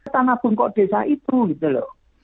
tanah bungkuk desa itu gitu loh